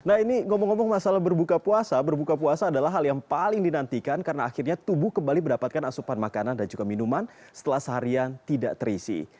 nah ini ngomong ngomong masalah berbuka puasa berbuka puasa adalah hal yang paling dinantikan karena akhirnya tubuh kembali mendapatkan asupan makanan dan juga minuman setelah seharian tidak terisi